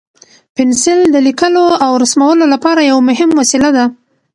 پنسل د لیکلو او رسمولو لپاره یو مهم وسیله ده.